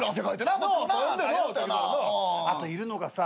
あといるのがさ